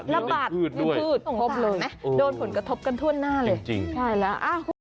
ระบาดในพืชด้วยโดนผลกระทบกันทั่วหน้าเลยจริงจริงได้แล้ว